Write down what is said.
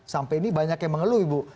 sampai ini banyak yang mengeluh ibu